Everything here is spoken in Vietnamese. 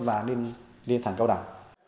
và liên thành cao đẳng